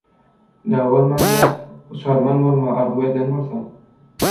Dagy bolmanda uçarman bolmagy arzuw eden bolsam.